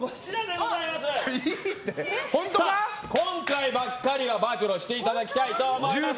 今回ばかりは暴露していただきたいと思います。